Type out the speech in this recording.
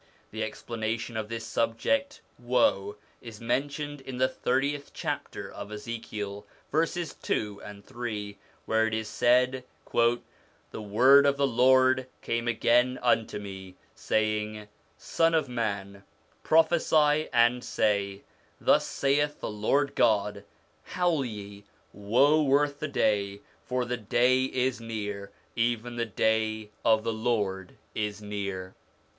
The explanation of this subject, woe, is mentioned hi the thirtieth chapter of Ezekiel, verses 2 and 3, where it is said :' The word of the Lord came again unto me, saying, Son of man, prophesy and say, Thus saith the Lord God ; Howl ye, Woe worth the day ! For the day is near, even the day of the Lord is near.'